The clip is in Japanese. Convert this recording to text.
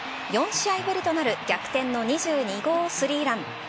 ４試合ぶりとなる逆転の２２号３ラン。